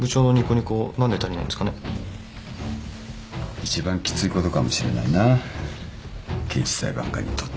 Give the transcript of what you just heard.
一番きついことかもしれないな刑事裁判官にとって。